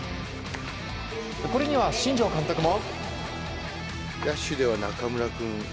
これには新庄監督も。